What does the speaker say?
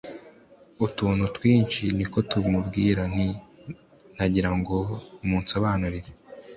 utuntu twinshi. ni ko kumubwira nti:"nagira ngo munsobanurire